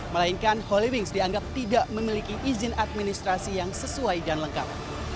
melainkan holy wings dianggap tidak memiliki izin administrasi yang sesuai dan lengkap